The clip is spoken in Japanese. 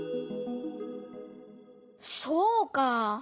そうかあ！